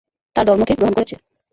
তার ধর্মকে গ্রহণ করেছে।